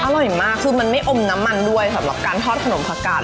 อร่อยมากคือมันไม่อมน้ำมันด้วยสำหรับการทอดขนมผักกาด